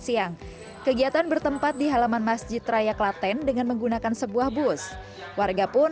siang kegiatan bertempat di halaman masjid raya klaten dengan menggunakan sebuah bus warga pun